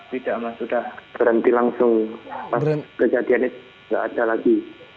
tidak mas sudah berhenti langsung kejadiannya tidak ada lagi